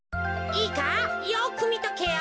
いいかよくみとけよ。